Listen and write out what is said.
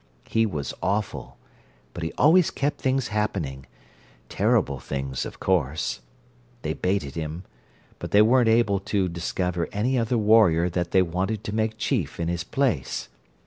He was awful, but he always kept things happening—terrible things, of course. They hated him, but they weren't able to discover any other warrior that they wanted to make chief in his place.